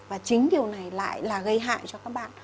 và chính điều này lại là gây hại cho các bạn